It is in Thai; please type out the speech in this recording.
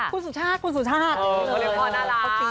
คุณสุชาติคุณสุชาติ